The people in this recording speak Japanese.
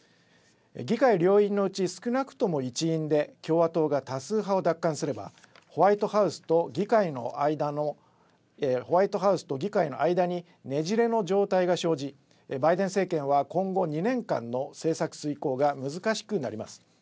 議会両院のうち少なくとも１院で共和党が多数派を奪還すればホワイトハウスと議会の間にねじれの状態が生じバイデン政権は今後２年間の政策遂行が難しくなります。